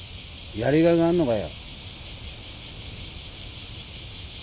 やりがいがあんのかよ？